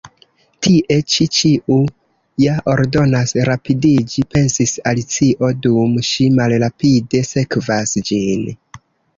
"Tie ĉi ĉiu ja ordonas rapidiĝi," pensis Alicio, dum ŝi malrapide sekvas ĝin.